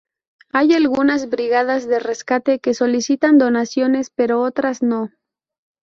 Hay algunas brigadas de rescate que solicitan donaciones, pero otras no.